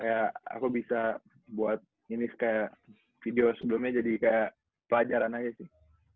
kayak aku bisa buat ini kayak video sebelumnya jadi kayak pelajaran aja sih